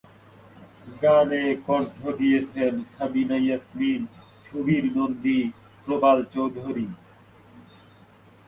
গানে কণ্ঠ দিয়েছেন সাবিনা ইয়াসমিন, সুবীর নন্দী, প্রবাল চৌধুরী।